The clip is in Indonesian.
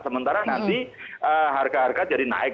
sementara nanti harga harga jadi naik